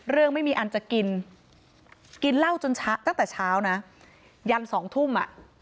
เรื่องไม่มีอันจะกินกินเหล้าตั้งแต่เช้านะยัน๒ทุ่ม